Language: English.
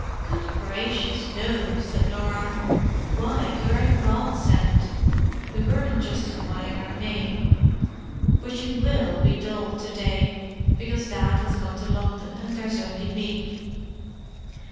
"Good gracious, no!" said Norah. "Why, you're a godsend! We weren't justifying our name. But you will be dull to day, because Dad has gone to London, and there's only me."